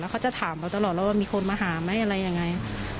แล้วเค้าจะถามเราตลอดแล้วว่ามีคนมาหาไหมอะไรอย่างไร